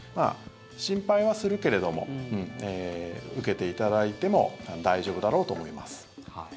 心配はするけれども受けていただいても大丈夫だろうと思います。